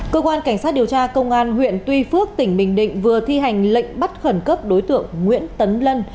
cơ quan cảnh sát điều tra công an huyện tuy phước tỉnh bình định vừa thi hành lệnh bắt khẩn cấp đối tượng nguyễn tấn lân